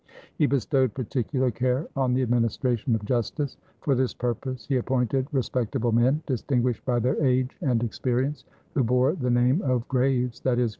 He bestowed particular care on the administration of justice. For this purpose he appointed respectable men, distinguished by their age and experience, who bore the name of "Graves," i.e.